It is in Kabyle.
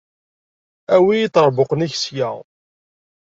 Awi iṭerbuqen-ik sya.